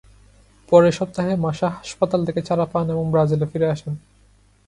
পরের সপ্তাহে মাসা হাসপাতাল থেকে ছাড়া পান এবং ব্রাজিলে ফিরে আসেন।